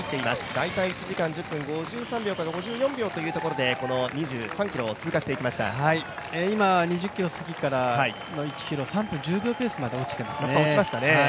大体１時間１０分５３秒から５４秒というところで、今２０ｋｍすぎからの１ｋｍ３分１０秒ペースまで落ちていますね。